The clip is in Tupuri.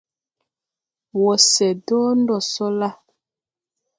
Wɔ se dɔɔ no sɔ la ?